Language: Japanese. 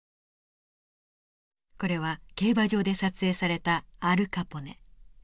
これは競馬場で撮影されたアル・カポネ。